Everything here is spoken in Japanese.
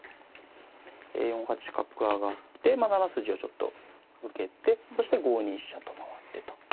４八角上がって７筋をちょっと受けてそして５二飛車と回ってと。